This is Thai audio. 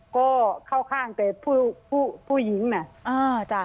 ก็เข้าข้างแต่ผู้หญิงน่ะอ่าจ้ะ